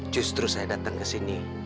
justru saya datang ke sini